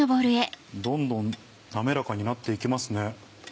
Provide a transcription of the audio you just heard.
どんどん滑らかになって行きますね。